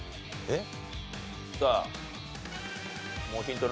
えっ？